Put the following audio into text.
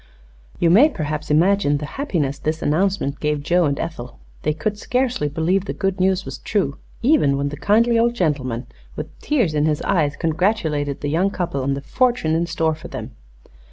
You may perhaps imagine the happiness this announcement gave Joe and Ethel. They could scarcely believe the good news was true, even when the kindly old gentleman, with tears in his eyes, congratulated the young couple on the fortune in store for them.